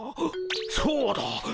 そうだ。